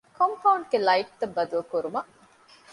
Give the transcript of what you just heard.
ކޮމްޕައުންޑްގެ ލައިޓްތައް ބަދަލުކުރުމަށް